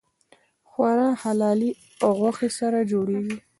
ښوروا له حلالې غوښې سره جوړیږي.